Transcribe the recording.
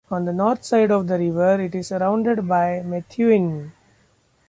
On the north side of the river, it is surrounded by Methuen.